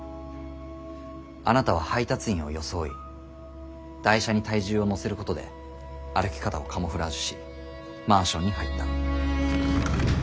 あなたは配達員を装い台車に体重をのせることで歩き方をカモフラージュしマンションに入った。